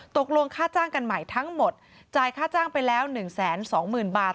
ตกลงค่าจ้างกันใหม่ทั้งหมดจ่ายค่าจ้างไปแล้ว๑๒๐๐๐บาท